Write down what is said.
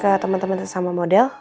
ke temen temen sesama model